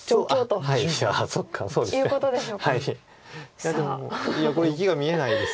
いやでもいやこれ生きが見えないです